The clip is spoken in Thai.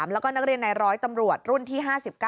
แล้วก็นักเรียนในร้อยตำรวจรุ่นที่๕๙